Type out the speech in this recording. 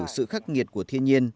sự khắc nghiệt của thiên nhiên